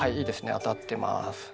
当たってます。